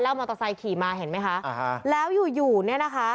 มอเตอร์ไซค์ขี่มาเห็นไหมคะอ่าฮะแล้วอยู่อยู่เนี่ยนะคะ